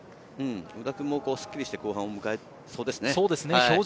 夘田君もスッキリして後半を迎えそうですね。